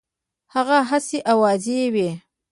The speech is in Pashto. هغه هسي آوازې وي.